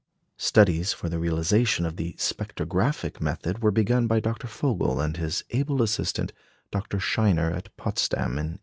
Studies for the realisation of the "spectrographic" method were begun by Dr. Vogel and his able assistant, Dr. Scheiner, at Potsdam in 1887.